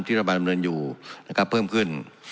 ที่รัฐบาลดำเนินอยู่เพิ่มขึ้น